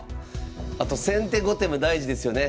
あと先手後手も大事ですよね。